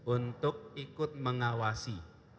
untuk ikut mengawasi